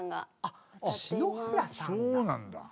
そうなんだ。